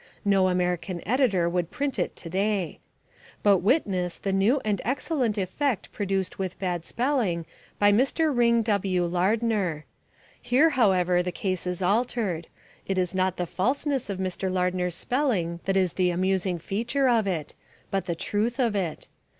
No American editor would print it to day. But witness the new and excellent effect produced with bad spelling by Mr. Ring W. Lardner. Here, however, the case is altered; it is not the falseness of Mr. Lardner's spelling that is the amusing feature of it, but the truth of it.